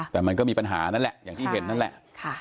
แต่มันก็มีปัญหานั่นแหละอย่างที่เห็นนั่นแหละ